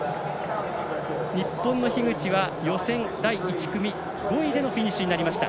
日本の樋口は予選第１組５位でフィニッシュとなりました。